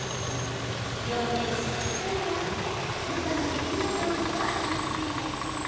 両面しっかり焼いて中まで火が通れば、完成。